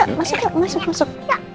ayo masuk ya masuk masuk